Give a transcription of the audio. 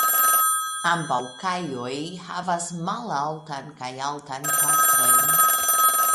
Ambaŭ kajoj havas malaltan kaj altan partojn.